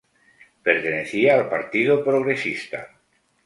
Pertenecía al partido progresista.